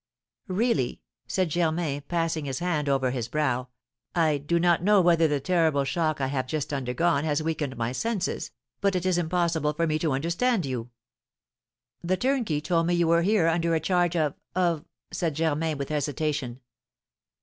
"Really," said Germain, passing his hand over his brow. "I do not know whether the terrible shock I have just undergone has weakened my senses, but it is impossible for me to understand you. The turnkey told me you were here under a charge of of " said Germain, with hesitation.